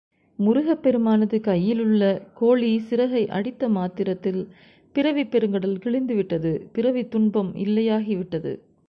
முருகப் பெருமானது கையிலுள்ள கோழி சிறகை அடித்த மாத்திரத்தில் பிறவிப் பெருங்கடல் கிழிந்துவிட்டது பிறவித் துன்பம் இல்லையாகி விட்டது.